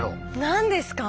何ですか？